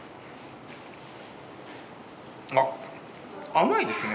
あっ甘いですね。